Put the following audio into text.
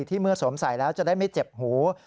เมื่อสวมใส่แล้วจะได้ไม่เจ็บหู